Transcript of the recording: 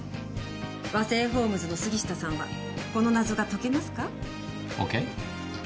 和製ホームズの杉下さんはこの謎が解けますか？ＯＫ。